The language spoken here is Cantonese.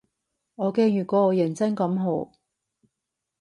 我驚如果我認真咁學